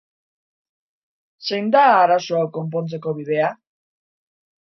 Zein da arazo hau konpontzeko bidea?